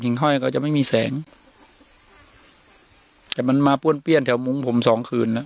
ห้อยก็จะไม่มีแสงแต่มันมาป้วนเปี้ยนแถวมุ้งผมสองคืนอ่ะ